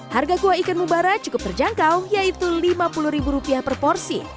harga kuah ikan mubara cukup terjangkau yaitu rp lima puluh ribu rupiah per porsi